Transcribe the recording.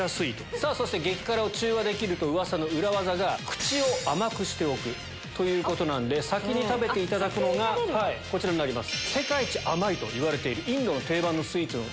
さぁそして激辛を中和できるとうわさの裏技が口を甘くしておくということなんで先に食べていただくのがこちらになります。